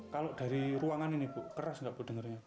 kalau dari ruangan ini bu keras nggak bu dengarnya